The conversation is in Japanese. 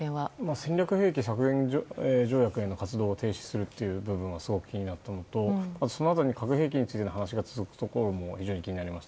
戦略兵器削減条約への活動を停止するという部分があったのとそのあと核兵器についての話が続くところも非常に気になりました。